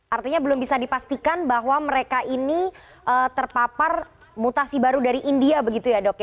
artinya belum bisa dipastikan bahwa mereka ini terpapar mutasi baru dari india begitu ya dok ya